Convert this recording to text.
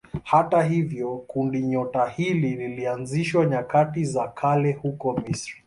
Hata hivyo kundinyota hili lilianzishwa nyakati za kale huko Misri.